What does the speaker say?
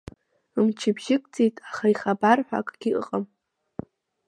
Мчыбжьык ҵит, аха ихабар ҳәа акгьы ыҟам.